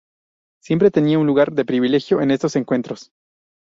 Siempre tenía un lugar de privilegio en estos encuentros.